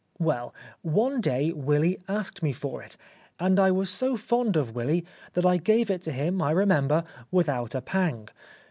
Well, one day Willy asked me for it ; and I was so fond of Willy that I gave it to him, I remember, without a pang.